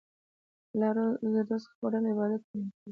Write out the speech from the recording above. د حلال رزق خوړل عبادت ګڼل کېږي.